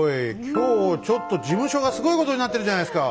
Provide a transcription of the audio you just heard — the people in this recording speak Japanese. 今日ちょっと事務所がすごいことになってるじゃないですか！